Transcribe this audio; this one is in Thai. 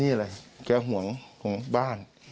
นี่อะไรแกห่วงห่วงบ้าน